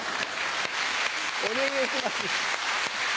お願ぇします。